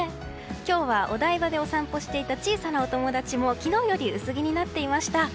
今日はお台場でお散歩していた小さなお友達も昨日より薄着になっていました。